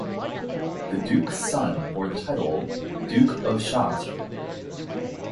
The duke's son bore the title "duke of Chartres".